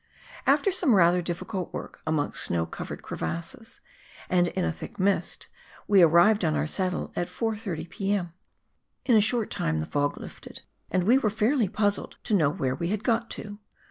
After some rather difficult work amongst snow covered cre vasses, and in a thick mist, we arrived on our saddle at 4.30 p.m. In a short time the fog lifted and we were fairly puzzled to know where we had got to.